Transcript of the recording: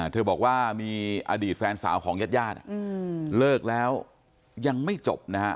เธอบอกว่ามีอดีตแฟนสาวของญาติญาติเลิกแล้วยังไม่จบนะฮะ